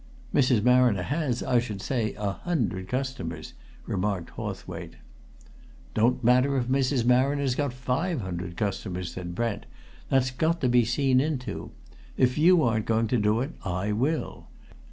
"Mrs. Marriner has, I should say, a hundred customers," remarked Hawthwaite. "Don't matter if Mrs. Marriner's got five hundred customers," said Brent. "That's got to be seen into. If you aren't going to do it, I will.